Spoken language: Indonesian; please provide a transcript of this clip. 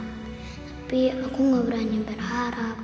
tapi aku gak berani berharap